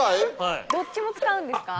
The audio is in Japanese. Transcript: どっちも使うんですか？